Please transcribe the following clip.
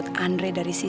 sampai jumpa lagi